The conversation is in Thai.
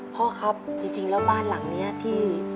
พ่อครับจริงแล้วบ้านหลังนี้ที่